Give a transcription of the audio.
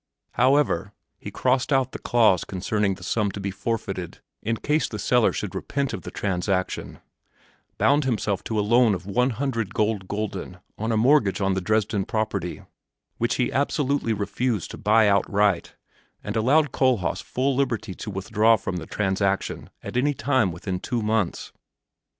However, he crossed out the clause concerning the sum to be forfeited in case the seller should repent of the transaction, bound himself to a loan of one hundred gold gulden on a mortgage on the Dresden property, which he absolutely refused to buy outright, and allowed Kohlhaas full liberty to withdraw from the transaction at any time within two months.